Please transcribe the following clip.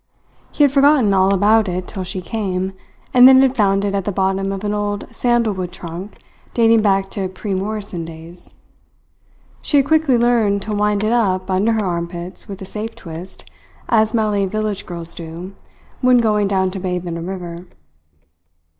He had forgotten all about it till she came, and then had found it at the bottom of an old sandalwood trunk dating back to pre Morrison days. She had quickly learned to wind it up under her armpits with a safe twist, as Malay village girls do when going down to bathe in a river.